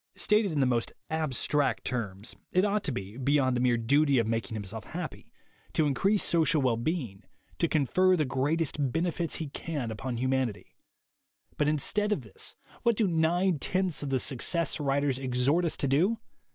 Stated in the most abstract terms, it ought to be ( beyond the THE WAY TO WILL POWER 51 mere duty of making himself happy) to increase social well being, to confer the greatest benefits he can upon humanity. But instead of this, what do nine tenths of the Success writers exhort us to do?